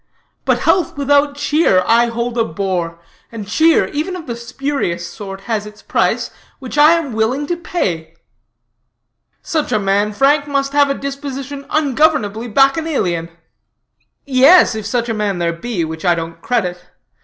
But health without cheer I hold a bore; and cheer, even of the spurious sort, has its price, which I am willing to pay.'" "Such a man, Frank, must have a disposition ungovernably bacchanalian." "Yes, if such a man there be, which I don't credit.